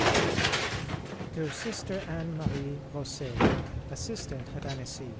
XXIX. _To Sister Anne Marie Rosset, Assistant at Annecy.